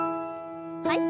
はい。